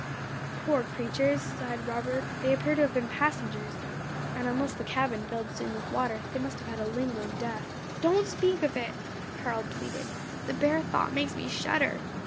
"Poor creatures!" sighed Robert, "they appear to have been passengers; and unless the cabin filled soon with water, they must have had a lingering death." "Don't speak of it," Harold pleaded. "The bare thought makes me shudder.